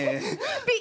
ピッ！